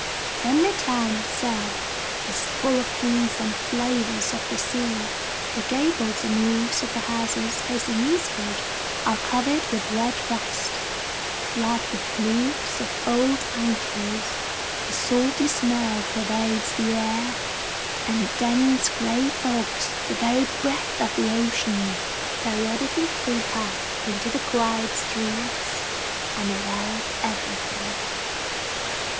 Then the town itself is full of hints and flavors of the sea. The gables and roofs of the houses facing eastward are covered with red rust, like the flukes of old anchors; a salty smell pervades the air, and dense gray fogs, the very breath of Ocean, periodically creep up into the quiet streets and envelop everything.